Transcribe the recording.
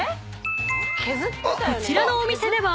［こちらのお店では］